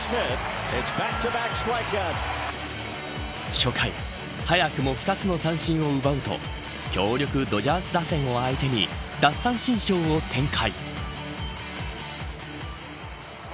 初回、早くも２つの三振を奪うと強力、ドジャース打線を相手に奪三振ショーを展開。